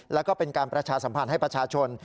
แล้วก็เป็นการประชาสัมพันธ์ให้ประชาชน